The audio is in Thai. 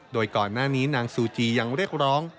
โดยก่อนหน้านี้นางซูจียังเรียกร้อง